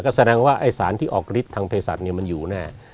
ก็แสดงว่าไอ้สารที่ออกฤทธิ์ทางเพศสัตว์มันอยู่แน่